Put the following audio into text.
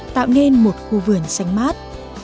tạo nên một khu vườn xanh mát